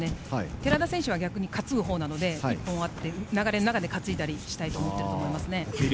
寺田選手は逆に担ぐほうなので１本あって、流れの中で担いだりしたいと思ってると思います。